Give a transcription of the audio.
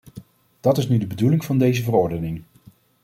Dat is nu de bedoeling van deze verordening.